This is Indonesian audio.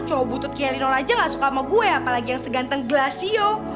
cowok butut kayak lino aja gak suka sama gue apalagi yang seganteng glasio